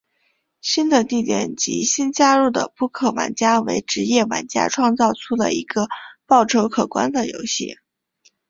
新的地点及新加入的扑克玩家为职业玩家创造出了一个报酬可观的游戏。